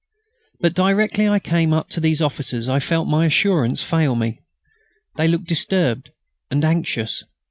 But directly I came up to these officers I felt my assurance fail me. They looked disturbed and anxious.